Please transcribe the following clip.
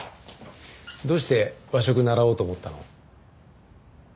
どうして和食習おうと思ったの？